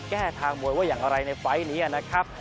ทางมวยว่าอย่างไรในไฟล์นี้นะครับ